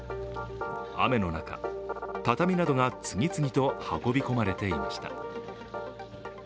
雨の中、畳などが次々と運び込まれていました。